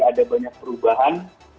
ada banyak perubahan